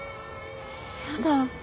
やだ。